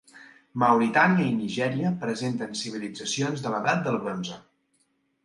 Mauritània i Nigèria presenten civilitzacions de l'edat del bronze.